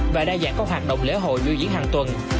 và đa dạng các hoạt động lễ hội lưu diễn hàng tuần